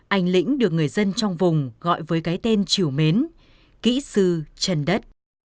anh lĩnh được người dân trong vùng gọi với cái tên triều mến kỹ sư trần đất